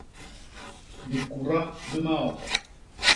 Bikuda bi maok.